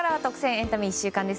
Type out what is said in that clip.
エンタメ１週間です。